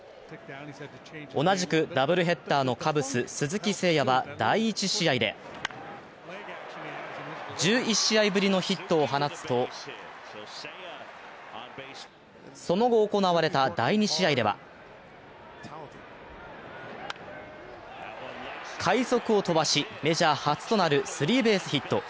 同じくダブルヘッダーのカブス・鈴木誠也は第１試合で１１試合ぶりのヒットを放つとその後行われた第２試合では快足を飛ばしメジャー初となるスリーベースヒット。